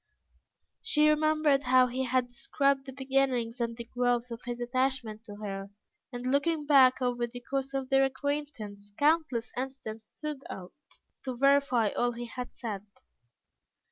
She remembered how he had described the beginnings and the growth of his attachment to her, and looking back over the course of their acquaintance, countless incidents stood out, to verify all he had said.